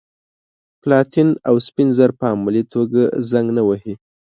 پلاتین او سپین زر په عملي توګه زنګ نه وهي.